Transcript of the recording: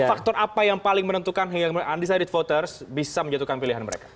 faktor apa yang paling menentukan hingga undecided voters bisa menjatuhkan pilihan mereka